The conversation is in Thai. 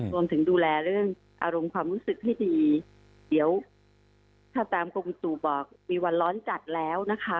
รวมถึงดูแลเรื่องอารมณ์ความรู้สึกให้ดีเดี๋ยวถ้าตามกรมอุตุบอกมีวันร้อนจัดแล้วนะคะ